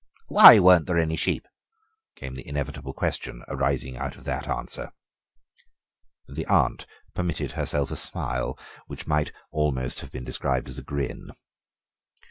"Why weren't there any sheep?" came the inevitable question arising out of that answer. The aunt permitted herself a smile, which might almost have been described as a grin.